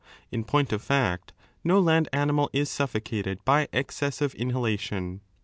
In point of fact, no land animal is suffocated by excessive inhalation.